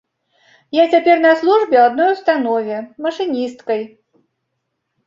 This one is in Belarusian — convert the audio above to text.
Я цяпер на службе ў адной установе, машыністкай.